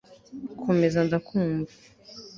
komeza ndakumva